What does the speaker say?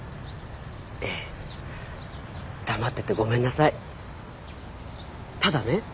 ええ黙っててごめんなさいただね